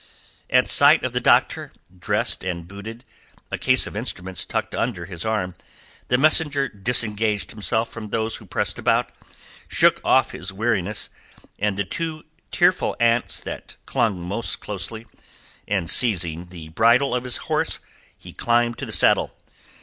At sight of the doctor, dressed and booted, the case of instruments tucked under his arm, the messenger disengaged himself from those who pressed about, shook off his weariness and the two tearful aunts that clung most closely, and seizing the bridle of his horse, he climbed to the saddle.